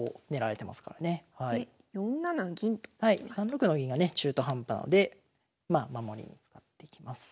３六の銀がね中途半端なのでまあ守りに使っていきます。